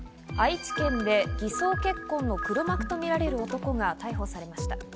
愛知県で偽装結婚の黒幕とみられる男が逮捕されました。